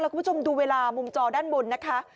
คุณผู้ชมดูเวลามุมจอด้านบนนะคะ